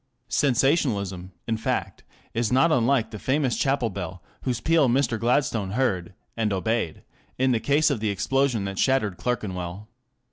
Sensationalism, in fact, is not unlike the famous chapel bell whose peal Mr. Gladstone heard and obeyed in the case of the explosion that shattered Clerkenwell.